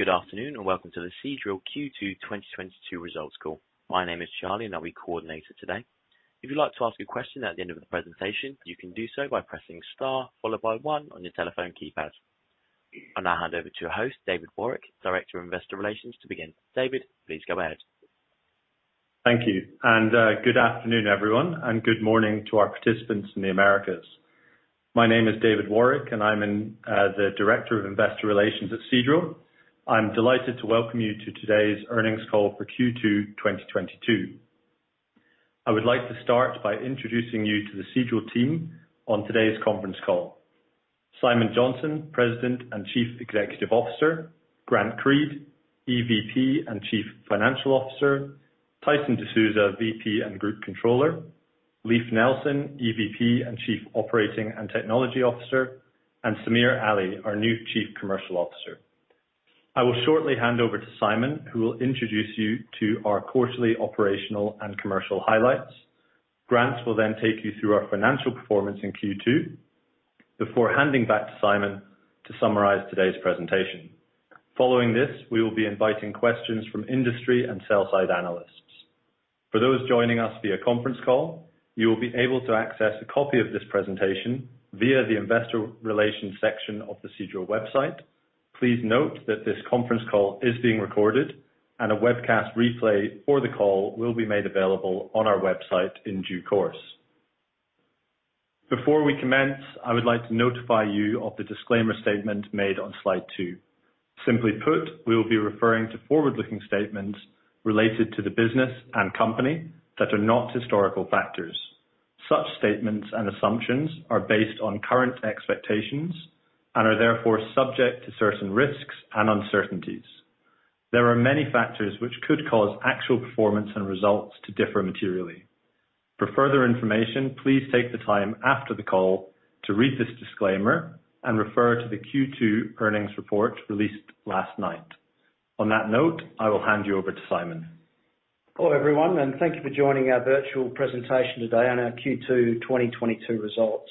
Good afternoon, and welcome to the Seadrill Q2 2022 Results Call. My name is Charlie, and I'll be coordinating today. If you'd like to ask a question at the end of the presentation, you can do so by pressing star followed by one on your telephone keypad. I'll now hand over to your host, David Warwick, Director of Investor Relations to begin. David, please go ahead. Thank you. Good afternoon, everyone, and good morning to our participants in the Americas. My name is David Warwick, and I'm the Director of Investor Relations at Seadrill. I'm delighted to welcome you to today's earnings call for Q2 2022. I would like to start by introducing you to the Seadrill team on today's conference call. Simon Johnson, President and Chief Executive Officer. Grant Creed, EVP and Chief Financial Officer. Tyson DeSousa, VP and Group Controller. Leif Nelson, EVP and Chief Operating and Technology Officer, and Samir Ali, our new Chief Commercial Officer. I will shortly hand over to Simon, who will introduce you to our quarterly operational and commercial highlights. Grant will then take you through our financial performance in Q2, before handing back to Simon to summarize today's presentation. Following this, we will be inviting questions from industry and sell-side analysts. For those joining us via conference call, you will be able to access a copy of this presentation via the investor relations section of the Seadrill website. Please note that this conference call is being recorded and a webcast replay for the call will be made available on our website in due course. Before we commence, I would like to notify you of the disclaimer statement made on slide two. Simply put, we will be referring to forward-looking statements related to the business and company that are not historical factors. Such statements and assumptions are based on current expectations and are therefore subject to certain risks and uncertainties. There are many factors which could cause actual performance and results to differ materially. For further information, please take the time after the call to read this disclaimer and refer to the Q2 earnings report released last night. On that note, I will hand you over to Simon. Hello, everyone, and thank you for joining our virtual presentation today on our Q2 2022 results.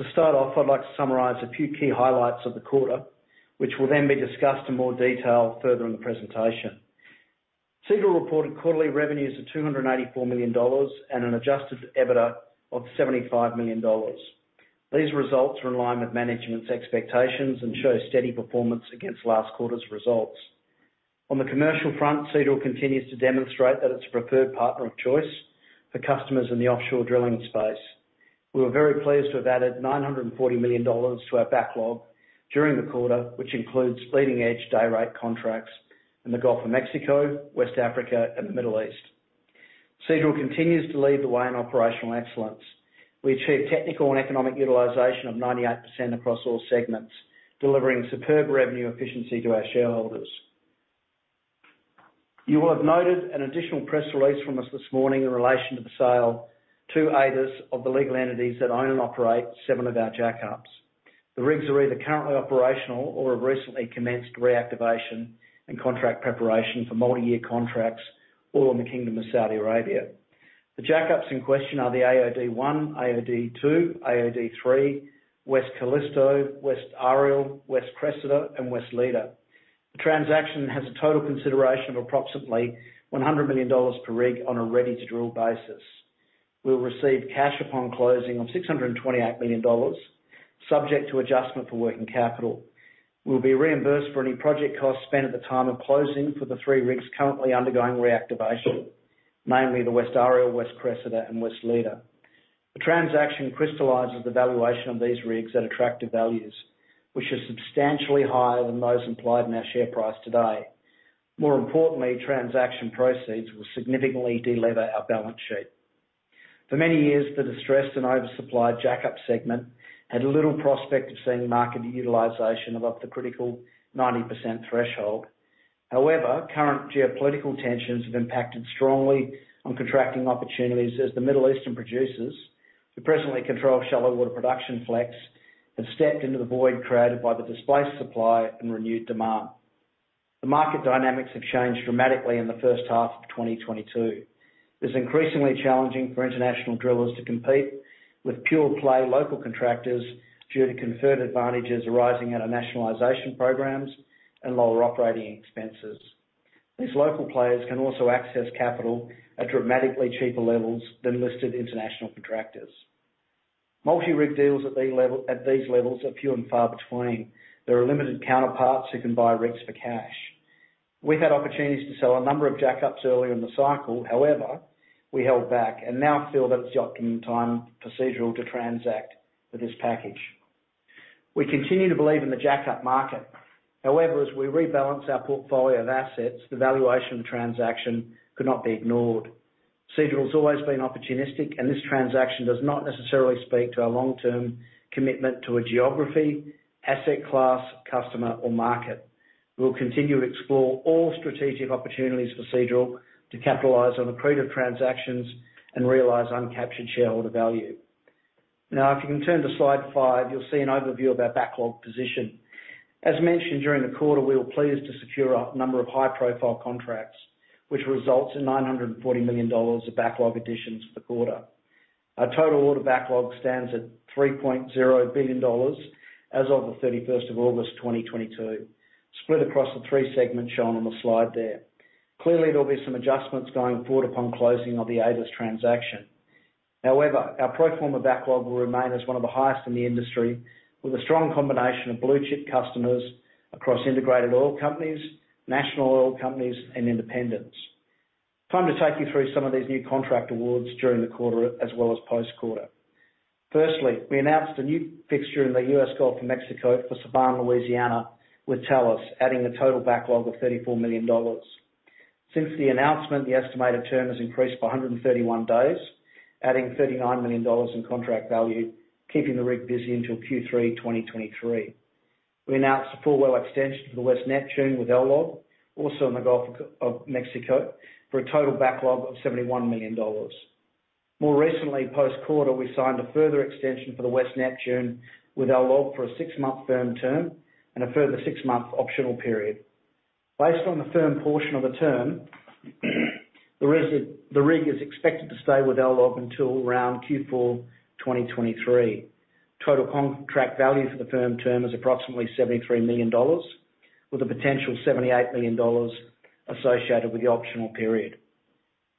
To start off, I'd like to summarize a few key highlights of the quarter, which will then be discussed in more detail further in the presentation. Seadrill reported quarterly revenues of $284 million and an Adjusted EBITDA of $75 million. These results are in line with management's expectations and show steady performance against last quarter's results. On the commercial front, Seadrill continues to demonstrate that it's a preferred partner of choice for customers in the offshore drilling space. We were very pleased to have added $940 million to our backlog during the quarter, which includes leading-edge day rate contracts in the Gulf of Mexico, West Africa, and the Middle East. Seadrill continues to lead the way in operational excellence. We achieved technical and economic utilization of 98% across all segments, delivering superb revenue efficiency to our shareholders. You will have noted an additional press release from us this morning in relation to the sale to ADES of the legal entities that own and operate seven of our jackups. The rigs are either currently operational or have recently commenced reactivation and contract preparation for multi-year contracts all in the Kingdom of Saudi Arabia. The jackups in question are the AOD I, AOD II, AOD III, West Callisto, West Ariel, West Cressida, and West Leda. The transaction has a total consideration of approximately $100 million per rig on a ready-to-drill basis. We'll receive cash upon closing of $628 million, subject to adjustment for working capital. Will be reimbursed for any project costs spent at the time of closing for the three rigs currently undergoing reactivation, mainly the West Ariel, West Cressida, and West Leda. The transaction crystallizes the valuation of these rigs at attractive values, which are substantially higher than those implied in our share price today. More importantly, transaction proceeds will significantly de-lever our balance sheet. For many years, the distressed and oversupplied jack-up segment had little prospect of seeing market utilization above the critical 90% threshold. However, current geopolitical tensions have impacted strongly on contracting opportunities as the Middle Eastern producers, who presently control shallow water production fleets, have stepped into the void created by the displaced supply and renewed demand. The market dynamics have changed dramatically in the first half of 2022. It's increasingly challenging for international drillers to compete with pure-play local contractors due to conferred advantages arising out of nationalization programs and lower operating expenses. These local players can also access capital at dramatically cheaper levels than listed international contractors. Multi-rig deals at these levels are few and far between. There are limited counterparts who can buy rigs for cash. We've had opportunities to sell a number of jackups early in the cycle, however, we held back and now feel that it's the opportune time for Seadrill to transact with this package. We continue to believe in the jackup market. However, as we rebalance our portfolio of assets, the valuation transaction could not be ignored. Seadrill has always been opportunistic, and this transaction does not necessarily speak to our long-term commitment to a geography, asset class, customer, or market. We will continue to explore all strategic opportunities for Seadrill to capitalize on accretive transactions and realize uncaptured shareholder value. Now, if you can turn to slide five, you'll see an overview of our backlog position. As mentioned during the quarter, we were pleased to secure a number of high-profile contracts, which results in $940 million of backlog additions for the quarter. Our total order backlog stands at $3.0 billion as of the August 31st, 2022. Split across the three segments shown on the slide there. Clearly, there'll be some adjustments going forward upon closing of the ADES transaction. However, our pro forma backlog will remain as one of the highest in the industry, with a strong combination of blue chip customers across integrated oil companies, national oil companies, and independents. Time to take you through some of these new contract awards during the quarter as well as post-quarter. Firstly, we announced a new fixture in the U.S. Gulf of Mexico for Sevan Louisiana, with Talos adding a total backlog of $34 million. Since the announcement, the estimated term has increased by 131 days, adding $39 million in contract value, keeping the rig busy until Q3 2023. We announced a four-well extension for the West Neptune with LLOG, also in the Gulf of Mexico, for a total backlog of $71 million. More recently, post-quarter, we signed a further extension for the West Neptune with LLOG for a six-month firm term and a further six-month optional period. Based on the firm portion of the term, the rig is expected to stay with LLOG until around Q4 2023. Total contract value for the firm term is approximately $73 million, with a potential $78 million associated with the optional period.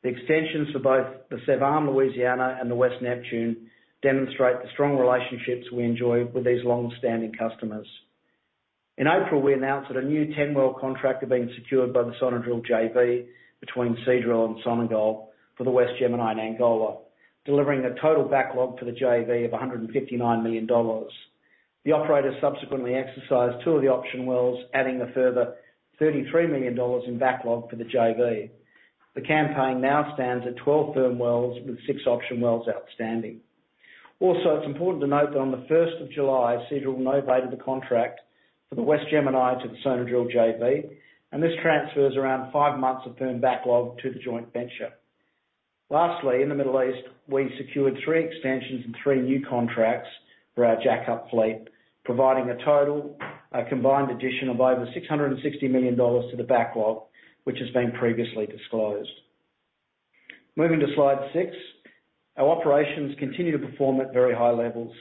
The extensions for both the Sevan Louisiana and the West Neptune demonstrate the strong relationships we enjoy with these long-standing customers. In April, we announced that a new 10-well contract had been secured by the Sonadrill JV between Seadrill and Sonangol for the West Gemini in Angola, delivering a total backlog for the JV of $159 million. The operators subsequently exercised two of the option wells, adding a further $33 million in backlog for the JV. The campaign now stands at 12 firm wells with six option wells outstanding. Also, it's important to note that on the first of July, Seadrill novated the contract for the West Gemini to the Sonadrill JV, and this transfers around five months of firm backlog to the joint venture. Lastly, in the Middle East, we secured three extensions and three new contracts for our jack-up fleet, providing a total, a combined addition of over $660 million to the backlog, which has been previously disclosed. Moving to slide six. Our operations continue to perform at very high levels.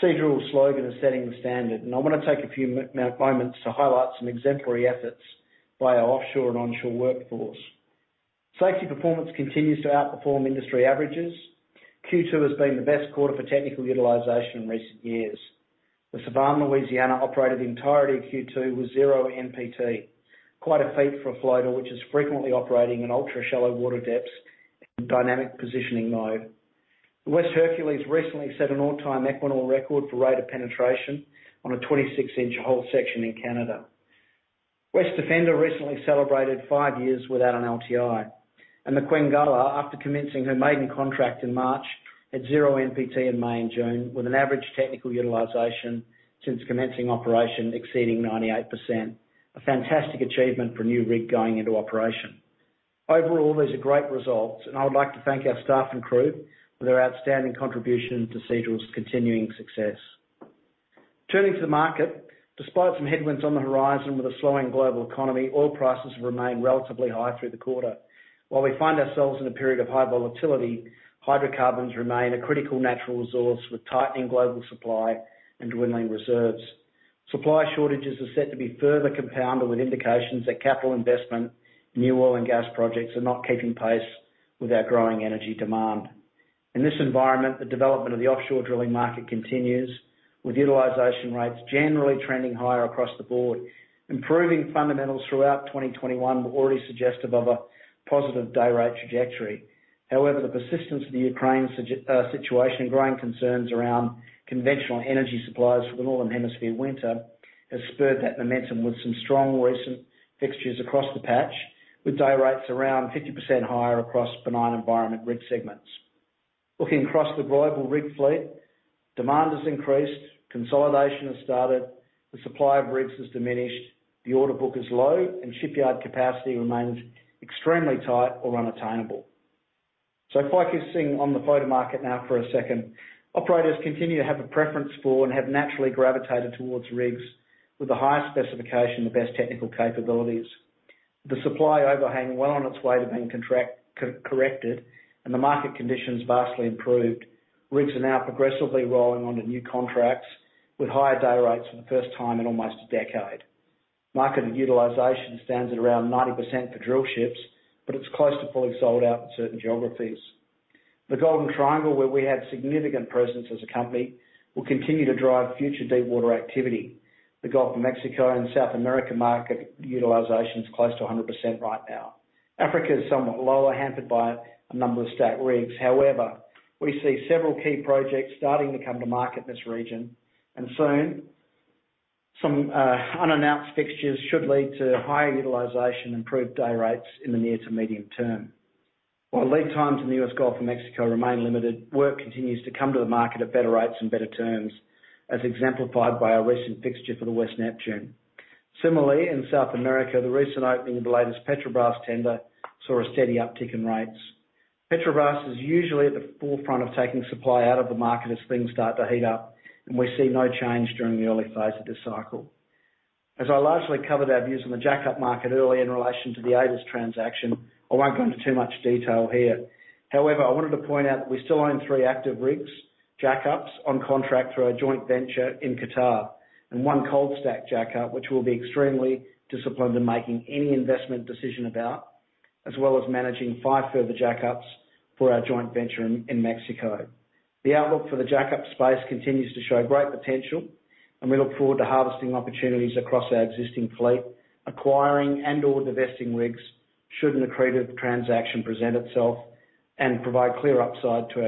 Seadrill's slogan is setting the standard, and I wanna take a few moments to highlight some exemplary efforts by our offshore and onshore workforce. Safety performance continues to outperform industry averages. Q2 has been the best quarter for technical utilization in recent years. The Sevan Louisiana operated the entirety of Q2 with 0 NPT. Quite a feat for a floater which is frequently operating in ultra-shallow water depths in dynamic positioning mode. The West Hercules recently set an all-time Equinor record for rate of penetration on a 26-inch hole section in Canada. West Defender recently celebrated five years without an LTI. The Quenguela, after commencing her maiden contract in March, had 0 NPT in May and June, with an average technical utilization since commencing operation exceeding 98%, a fantastic achievement for a new rig going into operation. Overall, these are great results, and I would like to thank our staff and crew for their outstanding contribution to Seadrill's continuing success. Turning to the market. Despite some headwinds on the horizon with a slowing global economy, oil prices have remained relatively high through the quarter. While we find ourselves in a period of high volatility, hydrocarbons remain a critical natural resource with tightening global supply and dwindling reserves. Supply shortages are set to be further compounded with indications that capital investment in new oil and gas projects are not keeping pace with our growing energy demand. In this environment, the development of the offshore drilling market continues, with utilization rates generally trending higher across the board. Improving fundamentals throughout 2021 were already suggestive of a positive day rate trajectory. However, the persistence of the Ukraine situation, growing concerns around conventional energy supplies for the Northern Hemisphere winter has spurred that momentum with some strong recent fixtures across the patch, with day rates around 50% higher across benign environment rig segments. Looking across the global rig fleet, demand has increased, consolidation has started, the supply of rigs has diminished, the order book is low, and shipyard capacity remains extremely tight or unattainable. Focusing on the floater market now for a second. Operators continue to have a preference for and have naturally gravitated towards rigs with the highest specification, the best technical capabilities. The supply overhang well on its way to being contract-corrected and the market conditions vastly improved. Rigs are now progressively rolling onto new contracts with higher day rates for the first time in almost a decade. Market utilization stands at around 90% for drill ships, but it's close to fully sold out in certain geographies. The Golden Triangle, where we have significant presence as a company, will continue to drive future deepwater activity. The Gulf of Mexico and South America market utilization is close to 100% right now. Africa is somewhat lower, hampered by a number of stacked rigs. However, we see several key projects starting to come to market in this region, and soon some unannounced fixtures should lead to higher utilization, improved day rates in the near to medium term. While lead times in the U.S. Gulf of Mexico remain limited, work continues to come to the market at better rates and better terms, as exemplified by our recent fixture for the West Neptune. Similarly, in South America, the recent opening of the latest Petrobras tender saw a steady uptick in rates. Petrobras is usually at the forefront of taking supply out of the market as things start to heat up, and we see no change during the early phase of this cycle. As I largely covered our views on the jack-up market early in relation to the ADES transaction, I won't go into too much detail here. However, I wanted to point out that we still own three active rigs, jack-ups on contract through our joint venture in Qatar, and one cold stack jack-up, which we'll be extremely disciplined in making any investment decision about, as well as managing five further jack-ups for our joint venture in Mexico. The outlook for the jack-up space continues to show great potential, and we look forward to harvesting opportunities across our existing fleet, acquiring and/or divesting rigs should an accretive transaction present itself and provide clear upside to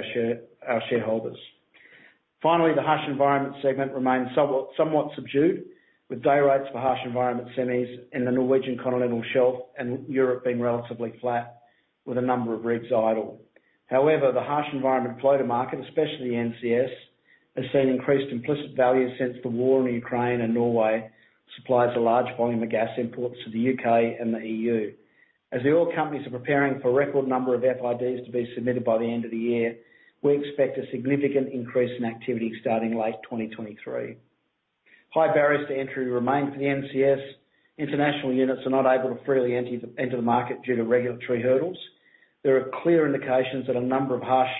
our shareholders. Finally, the harsh environment segment remains somewhat subdued, with day rates for harsh environment semis in the Norwegian Continental Shelf and Europe being relatively flat with a number of rigs idle. However, the harsh environment floater market, especially NCS, has seen increased implicit value since the war in Ukraine and Norway supplies a large volume of gas imports to the U.K. and the EU. As the oil companies are preparing for a record number of FIDs to be submitted by the end of the year, we expect a significant increase in activity starting late 2023. High barriers to entry remain for the NCS. International units are not able to freely enter the market due to regulatory hurdles. There are clear indications that a number of harsh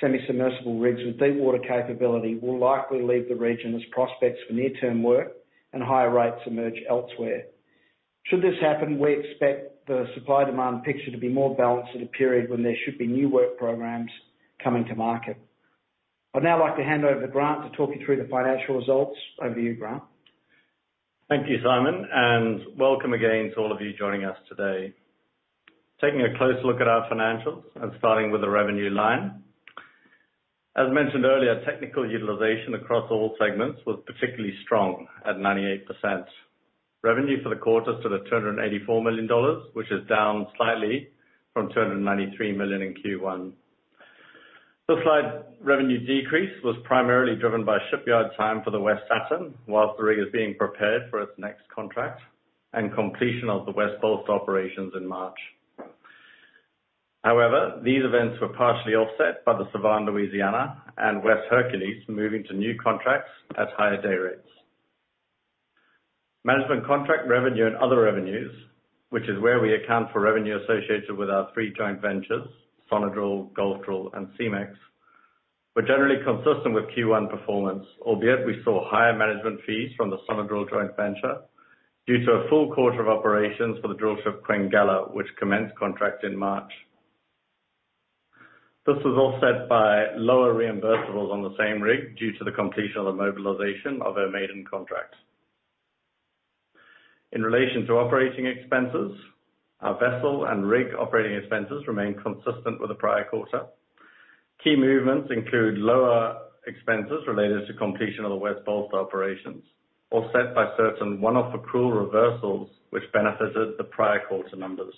semi-submersible rigs with deep water capability will likely leave the region as prospects for near-term work and higher rates emerge elsewhere. Should this happen, we expect the supply-demand picture to be more balanced at a period when there should be new work programs coming to market. I'd now like to hand over to Grant to talk you through the financial results. Over to you, Grant. Thank you, Simon, and welcome again to all of you joining us today. Taking a close look at our financials and starting with the revenue line. As mentioned earlier, technical utilization across all segments was particularly strong at 98%. Revenue for the quarter stood at $284 million, which is down slightly from $293 million in Q1. The slight revenue decrease was primarily driven by shipyard time for the West Saturn while the rig is being prepared for its next contract and completion of the West Bollsta operations in March. However, these events were partially offset by the Sevan Louisiana and West Hercules moving to new contracts at higher dayrates. Management contract revenue and other revenues, which is where we account for revenue associated with our three joint ventures, Sonadrill, Gulfdrill, and SeaMex, were generally consistent with Q1 performance, albeit we saw higher management fees from the Sonadrill joint venture due to a full quarter of operations for the drillship Quenguela, which commenced contract in March. This was offset by lower reimbursables on the same rig due to the completion of the mobilization of our maiden contract. In relation to operating expenses, our vessel and rig operating expenses remain consistent with the prior quarter. Key movements include lower expenses related to completion of the West Bollsta operations, offset by certain one-off accrual reversals which benefited the prior quarter numbers.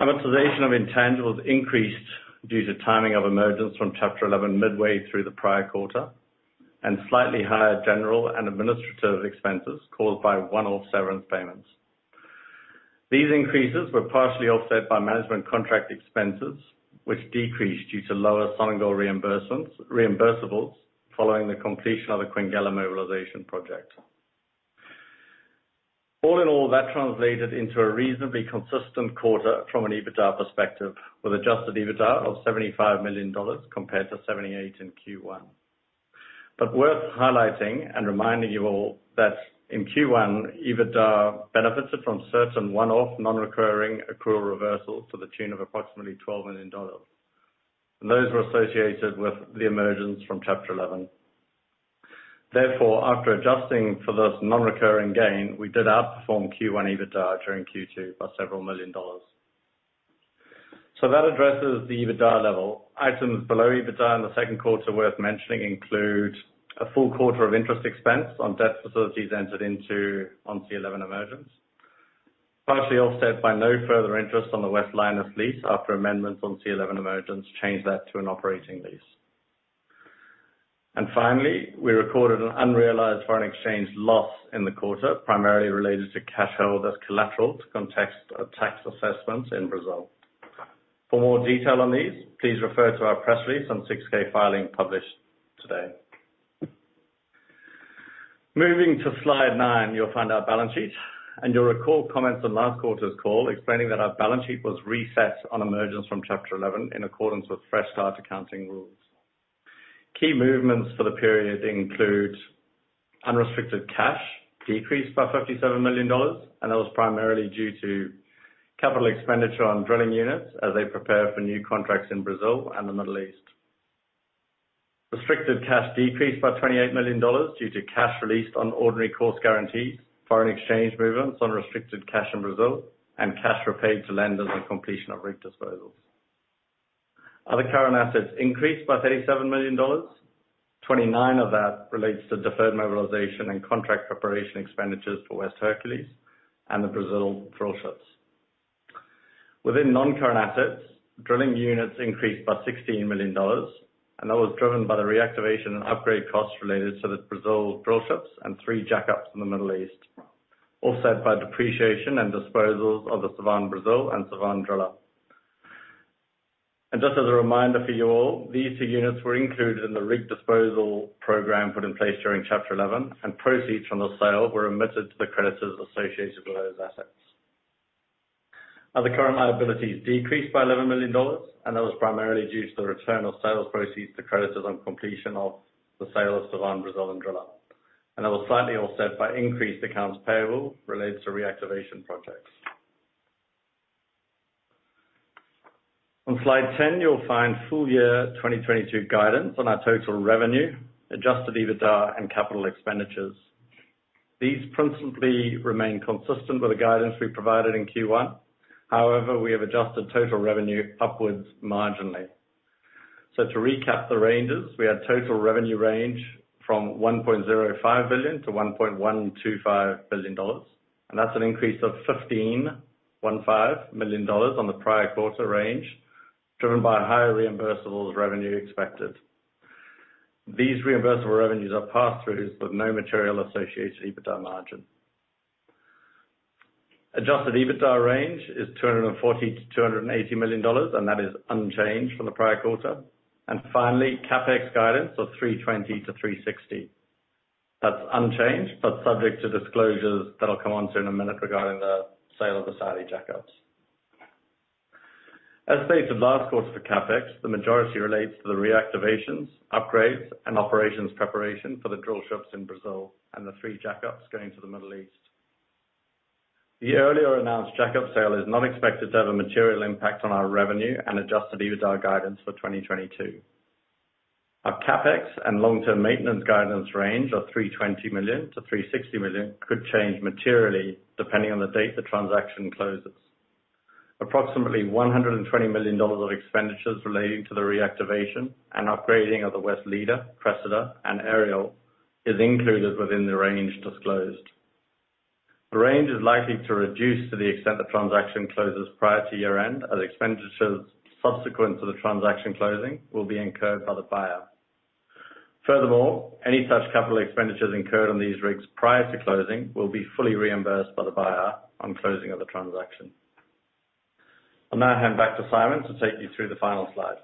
Amortization of intangibles increased due to timing of emergence from Chapter 11 midway through the prior quarter, and slightly higher general and administrative expenses caused by one-off severance payments. These increases were partially offset by management contract expenses, which decreased due to lower Sonadrill reimbursables following the completion of the Quenguela mobilization project. All in all, that translated into a reasonably consistent quarter from an EBITDA perspective, with Adjusted EBITDA of $75 million compared to $78 in Q1. Worth highlighting and reminding you all that in Q1, EBITDA benefited from certain one-off non-recurring accrual reversals to the tune of approximately $12 million, and those were associated with the emergence from Chapter 11. Therefore, after adjusting for this non-recurring gain, we did outperform Q1 EBITDA during Q2 by several million dollars. That addresses the EBITDA level. Items below EBITDA in the second quarter worth mentioning include a full quarter of interest expense on debt facilities entered into on Chapter 11 emergence, partially offset by no further interest on the West Linus lease after amendments on Chapter 11 emergence changed that to an operating lease. Finally, we recorded an unrealized foreign exchange loss in the quarter, primarily related to cash held as collateral to contest tax assessments in Brazil. For more detail on these, please refer to our press release on 6-K filing published today. Moving to slide nine, you'll find our balance sheet, and you'll recall comments on last quarter's call explaining that our balance sheet was reset on emergence from Chapter 11 in accordance with fresh start accounting rules. Key movements for the period include unrestricted cash decreased by $57 million, and that was primarily due to capital expenditure on drilling units as they prepare for new contracts in Brazil and the Middle East. Restricted cash decreased by $28 million due to cash released on ordinary course guarantees, foreign exchange movements on restricted cash in Brazil, and cash repaid to lenders on completion of rig disposals. Other current assets increased by $37 million. 29 of that relates to deferred mobilization and contract preparation expenditures for West Hercules and the Brazil drillships. Within non-current assets, drilling units increased by $16 million, and that was driven by the reactivation and upgrade costs related to the Brazil drillships and three jackups in the Middle East, offset by depreciation and disposals of the Sevan Brasil and Sevan Driller. Just as a reminder for you all, these two units were included in the rig disposal program put in place during Chapter 11, and proceeds from the sale were remitted to the creditors associated with those assets. Other current liabilities decreased by $11 million, and that was primarily due to the return of sales proceeds to creditors on completion of the sale of Sevan Brasil and Sevan Driller. That was slightly offset by increased accounts payable related to reactivation projects. On slide 10, you'll find full year 2022 guidance on our total revenue, Adjusted EBITDA and capital expenditures. These principally remain consistent with the guidance we provided in Q1. However, we have adjusted total revenue upwards marginally. To recap the ranges, we had total revenue range from $1.05 billion-$1.125 billion, and that's an increase of $15 million on the prior quarter range, driven by higher reimbursables revenue expected. These reimbursable revenues are pass-throughs with no material associated EBITDA margin. Adjusted EBITDA range is $240 million-$280 million, and that is unchanged from the prior quarter. Finally, CapEx guidance of $320 million-$360 million. That's unchanged, but subject to disclosures that I'll come onto in a minute regarding the sale of the Saudi jackups. As stated last quarter for CapEx, the majority relates to the reactivations, upgrades and operations preparation for the drill ships in Brazil and the three jackups going to the Middle East. The earlier announced jackup sale is not expected to have a material impact on our revenue and Adjusted EBITDA guidance for 2022. Our CapEx and long-term maintenance guidance range of $320 million-$360 million could change materially depending on the date the transaction closes. Approximately $120 million of expenditures relating to the reactivation and upgrading of the West Leda, West Cressida and West Ariel is included within the range disclosed. The range is likely to reduce to the extent the transaction closes prior to year-end, as expenditures subsequent to the transaction closing will be incurred by the buyer. Furthermore, any such capital expenditures incurred on these rigs prior to closing will be fully reimbursed by the buyer on closing of the transaction. I'll now hand back to Simon to take you through the final slide.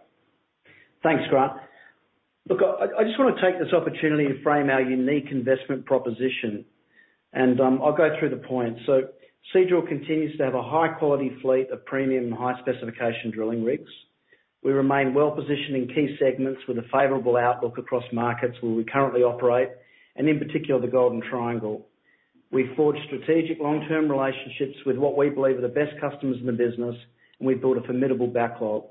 Thanks, Grant. Look, I just wanna take this opportunity to frame our unique investment proposition and, I'll go through the points. Seadrill continues to have a high quality fleet of premium high specification drilling rigs. We remain well positioned in key segments with a favorable outlook across markets where we currently operate, and in particular, the Golden Triangle. We forge strategic long-term relationships with what we believe are the best customers in the business, and we've built a formidable backlog.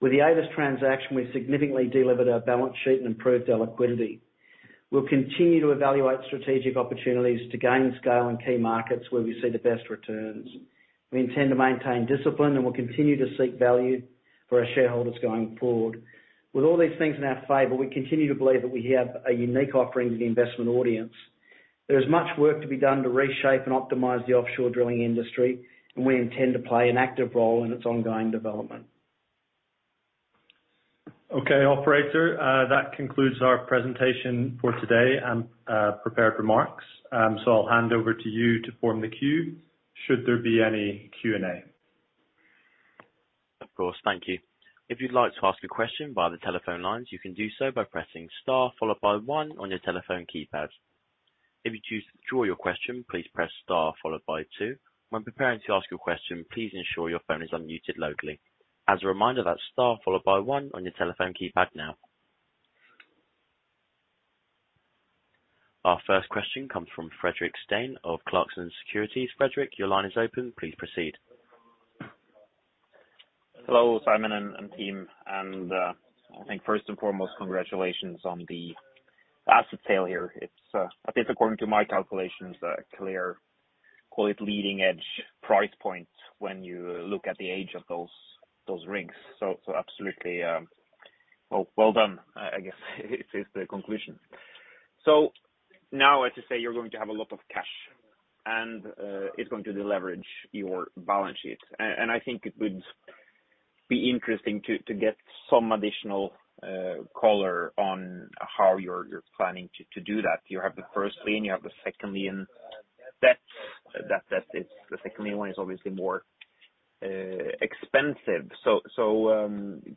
With the ADES transaction, we significantly delivered our balance sheet and improved our liquidity. We'll continue to evaluate strategic opportunities to gain scale in key markets where we see the best returns. We intend to maintain discipline, and we'll continue to seek value for our shareholders going forward. With all these things in our favor, we continue to believe that we have a unique offering to the investment audience. There is much work to be done to reshape and optimize the offshore drilling industry, and we intend to play an active role in its ongoing development. Okay. Operator, that concludes our presentation for today and prepared remarks. I'll hand over to you for the queue should there be any Q&A. Of course. Thank you. If you'd like to ask a question via the telephone lines, you can do so by pressing star followed by one on your telephone keypads. If you choose to withdraw your question, please press star followed by two. When preparing to ask your question, please ensure your phone is unmuted locally. As a reminder, that's star followed by one on your telephone keypad now. Our first question comes from Fredrik Stene of Clarksons Securities. Fredrik, your line is open. Please proceed. Hello, Simon and team. I think first and foremost, congratulations on the asset sale here. It's, I think according to my calculations, a clear, call it leading edge price point when you look at the age of those rigs. Absolutely, well done. I guess it is the conclusion. Now, as you say, you're going to have a lot of cash and it's going to deleverage your balance sheets. I think it would be interesting to get some additional color on how you're planning to do that. You have the first lien, you have the second lien debts. That is, the second lien one is obviously more expensive.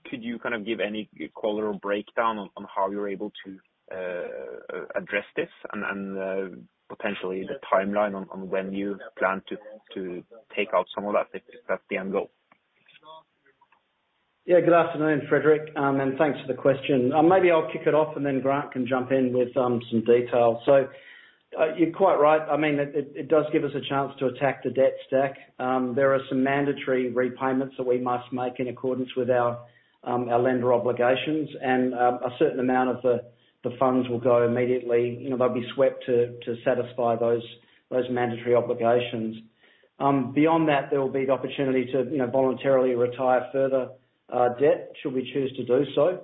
Could you kind of give any color or breakdown on how you're able to address this and potentially the timeline on when you plan to take out some of that if that's the end goal? Good afternoon, Fredrik, and thanks for the question. Maybe I'll kick it off and then Grant can jump in with some detail. You're quite right. I mean, it does give us a chance to attack the debt stack. There are some mandatory repayments that we must make in accordance with our lender obligations. A certain amount of the funds will go immediately. You know, they'll be swept to satisfy those mandatory obligations. Beyond that, there will be the opportunity to, you know, voluntarily retire further debt should we choose to do so.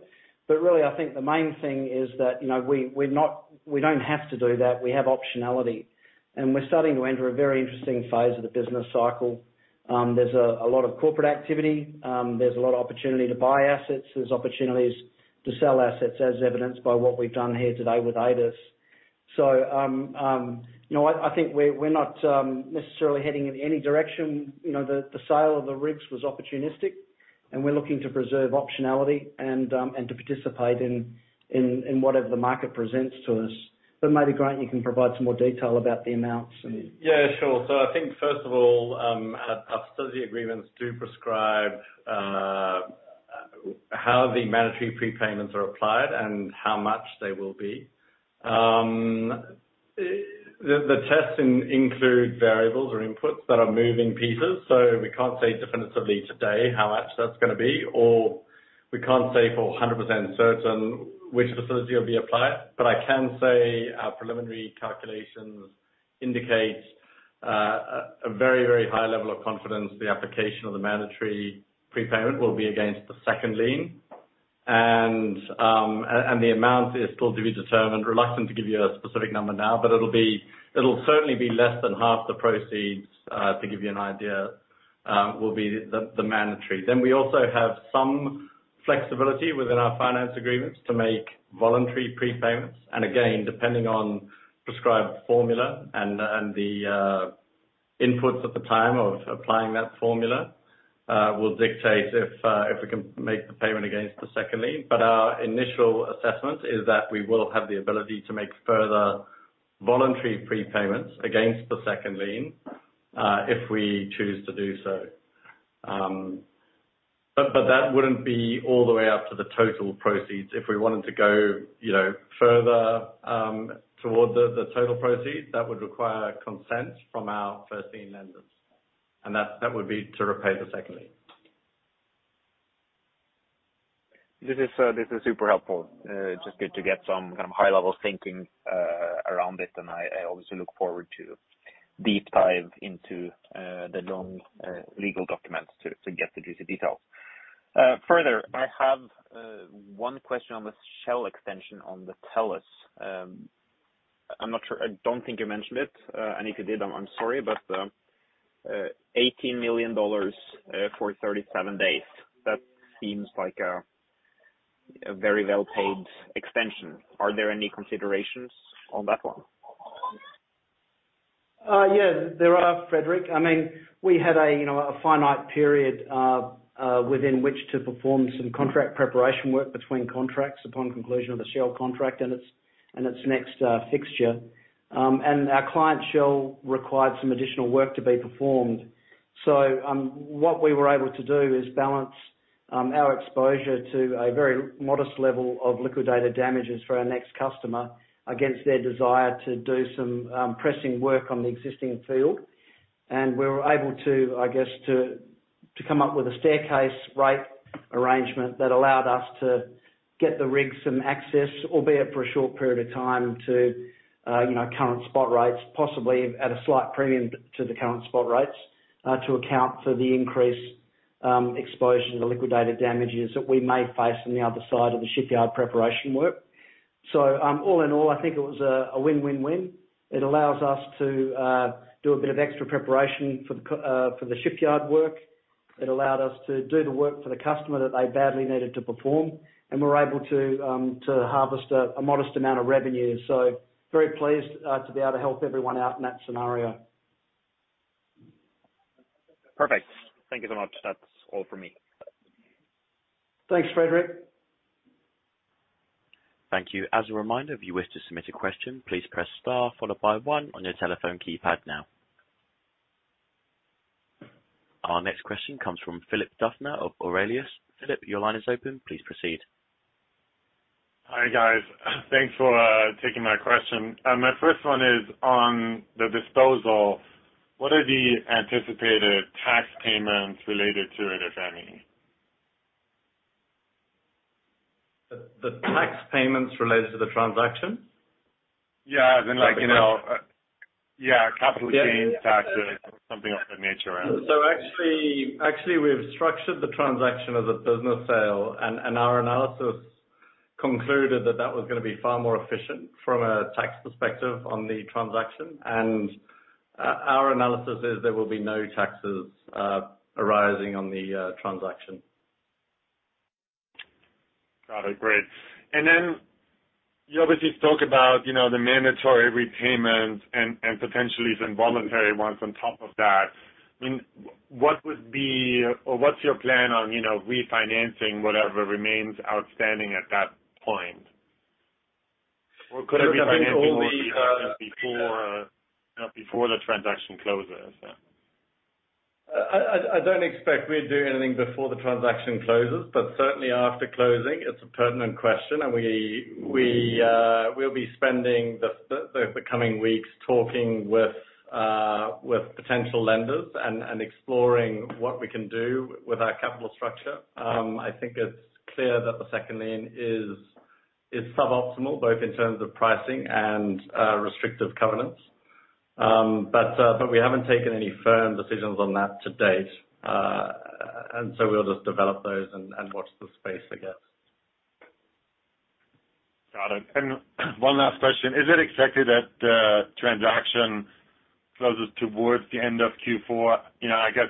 Really, I think the main thing is that, you know, we're not. We don't have to do that. We have optionality, and we're starting to enter a very interesting phase of the business cycle. There's a lot of corporate activity. There's a lot of opportunity to buy assets. There's opportunities to sell assets, as evidenced by what we've done here today with ADES. You know, I think we're not necessarily heading in any direction. You know, the sale of the rigs was opportunistic, and we're looking to preserve optionality and to participate in whatever the market presents to us. Maybe, Grant, you can provide some more detail about the amounts and Yeah, sure. I think first of all, our facility agreements do prescribe how the mandatory prepayments are applied and how much they will be. The tests include variables or inputs that are moving pieces, so we can't say definitively today how much that's gonna be, or we can't say for 100% certain which facility will be applied. But I can say our preliminary calculations indicate a very high level of confidence the application of the mandatory prepayment will be against the second lien. And the amount is still to be determined. Reluctant to give you a specific number now, but it'll be. It'll certainly be less than half the proceeds, to give you an idea, will be the mandatory. We also have some flexibility within our finance agreements to make voluntary prepayments. Again, depending on prescribed formula and the inputs at the time of applying that formula, will dictate if we can make the payment against the second lien. Our initial assessment is that we will have the ability to make further voluntary prepayments against the second lien, if we choose to do so. But that wouldn't be all the way up to the total proceeds. If we wanted to go, you know, further, toward the total proceeds, that would require consent from our first lien lenders, and that would be to repay the second lien. This is super helpful. Just good to get some kind of high-level thinking around it, and I obviously look forward to deep dive into the long legal documents to get the juicy details. Further, I have one question on the Shell extension on the West Tellus. I'm not sure. I don't think you mentioned it, and if you did, I'm sorry, but $18 million for 37 days, that seems like a very well-paid extension. Are there any considerations on that one? Yeah, there are, Fredrik. I mean, we had a, you know, a finite period within which to perform some contract preparation work between contracts upon conclusion of the Shell contract and its next fixture. Our client, Shell, required some additional work to be performed. What we were able to do is balance our exposure to a very modest level of liquidated damages for our next customer against their desire to do some pressing work on the existing field. We were able to, I guess, to come up with a staircase rate arrangement that allowed us to get the rig some access, albeit for a short period of time to, you know, current spot rates, possibly at a slight premium to the current spot rates, to account for the increased exposure to liquidated damages that we may face on the other side of the shipyard preparation work. All in all, I think it was a win-win-win. It allows us to do a bit of extra preparation for the shipyard work. It allowed us to do the work for the customer that they badly needed to perform, and we're able to harvest a modest amount of revenue. Very pleased to be able to help everyone out in that scenario. Perfect. Thank you so much. That's all for me. Thanks, Fredrik. Thank you. As a reminder, if you wish to submit a question, please press star followed by one on your telephone keypad now. Our next question comes from Philipp Duffner of Aurelius. Philipp, your line is open. Please proceed. Hi, guys. Thanks for taking my question. My first one is on the disposal. What are the anticipated tax payments related to it, if any? The tax payments related to the transaction? Yeah, I mean, like, you know, yeah, capital gains taxes, something of that nature. Actually, we've structured the transaction as a business sale and our analysis concluded that that was gonna be far more efficient from a tax perspective on the transaction. Our analysis is that there will be no taxes arising on the transaction. Got it. Great. You obviously talk about, you know, the mandatory repayments and potentially some voluntary ones on top of that. I mean, what would be or what's your plan on, you know, refinancing whatever remains outstanding at that point? Well, could I. Have you been only? Before the transaction closes, I don't expect we'd do anything before the transaction closes, but certainly after closing it's a pertinent question and we'll be spending the coming weeks talking with potential lenders and exploring what we can do with our capital structure. I think it's clear that the second lien is suboptimal both in terms of pricing and restrictive covenants. We haven't taken any firm decisions on that to date. We'll just develop those and watch this space, I guess. Got it. One last question. Is it expected that the transaction closes towards the end of Q4? You know, I guess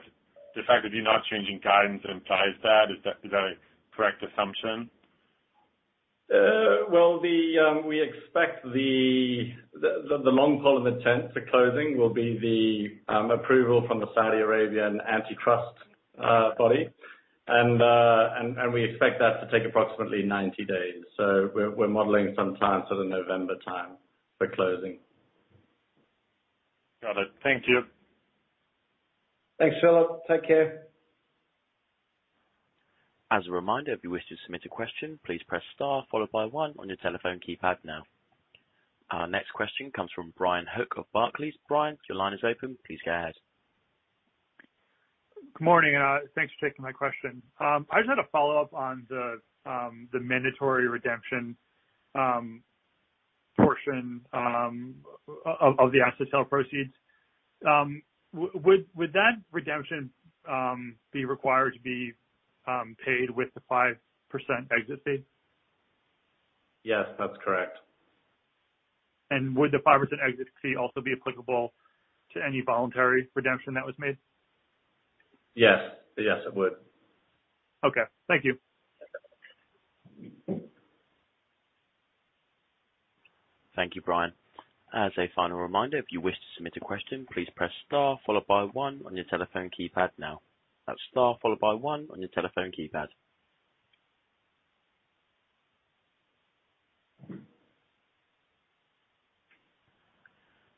the fact that you're not changing guidance implies that. Is that a correct assumption? Well, we expect the long pole of the tent to closing will be the approval from the Saudi Arabian antitrust body. We expect that to take approximately 90 days. We're modeling some time sort of November time for closing. Got it. Thank you. Thanks, Philipp. Take care. As a reminder, if you wish to submit a question, please press star followed by one on your telephone keypad now. Our next question comes from Brian Hook of Barclays. Brian, your line is open. Please go ahead. Good morning. Thanks for taking my question. I just had a follow-up on the mandatory redemption portion of the asset sale proceeds. Would that redemption be required to be paid with the 5% exit fee? Yes, that's correct. Would the 5% exit fee also be applicable to any voluntary redemption that was made? Yes. Yes, it would. Okay. Thank you. Thank you, Brian. As a final reminder, if you wish to submit a question, please press star followed by one on your telephone keypad now. That's star followed by one on your telephone keypad.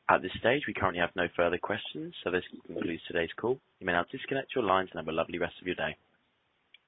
At this stage, we currently have no further questions, so this concludes today's call. You may now disconnect your lines and have a lovely rest of your day.